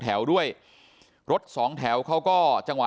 แล้วด้วยรถ๒แถวด้วยรถ๒แถวเขาก็จังหวะ